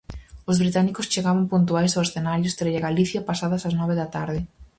Os británicos chegaban puntuais ao Escenario Estrella Galicia pasadas as nove da tarde.